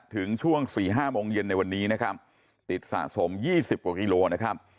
ถึงช่วง๔๕โมงเย็นในวันนี้นะครับติดสะสม๒๐กว่ากิโลนะครับ